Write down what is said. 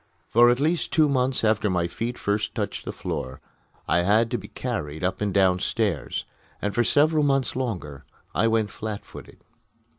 For at least two months after my feet first touched the floor I had to be carried up and downstairs, and for several months longer I went flat footed.